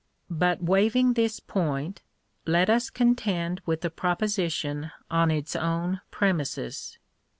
But, waiving this point, let us contend with the proposition on its own premises.